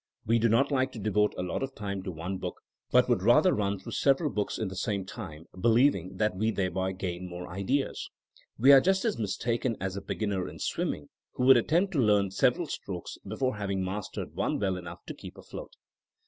We do not like to devote a lot of time to one book, but would rather run through several books in the same time, believing that we thereby gain more ideas. We are just as mistaken as a be ginner in swimming who would attempt to learn several stroke.s before having mastered one well enough to keep afloat.